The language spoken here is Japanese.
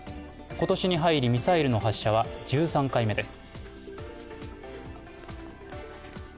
今年に入りミサイルの発射は１３回目です。